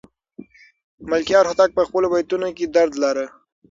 ملکیار هوتک په خپلو بیتونو کې درد لاره.